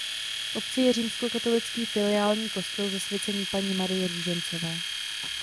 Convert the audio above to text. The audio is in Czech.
V obci je římskokatolický filiální kostel zasvěcený Panně Marii Růžencové.